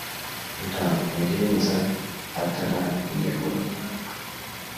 nta muhinza ataranihura